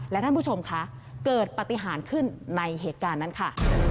และท่านผู้ชมคะเกิดปฏิหารขึ้นในเหตุการณ์นั้นค่ะ